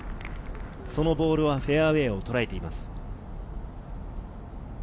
そのボールはフェアウエーをとらえています。